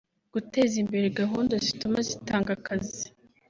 guteza imbere gahunda zituma zitanga akazi